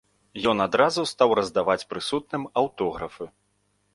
Ён адразу стаў раздаваць прысутным аўтографы.